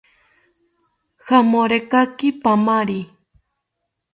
Jamorekaki paamari